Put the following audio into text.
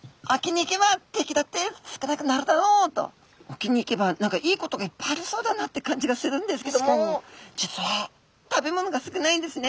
沖に行けば何かいいことがいっぱいありそうだなって感じがするんですけども実は食べ物が少ないんですね。